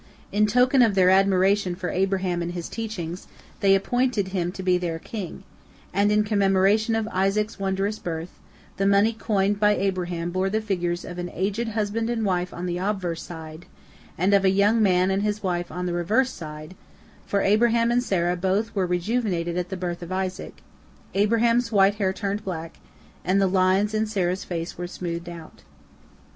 In token of their admiration for Abraham and his teachings, they appointed him to be their king, and in commemoration of Isaac's wondrous birth, the money coined by Abraham bore the figures of an aged husband and wife on the obverse side, and of a young man and his wife on the reverse side, for Abraham and Sarah both were rejuvenated at the birth of Isaac, Abraham's white hair turned black, and the lines in Sarah's face were smoothed out.